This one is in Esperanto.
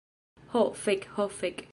Ho fek' ho fek'...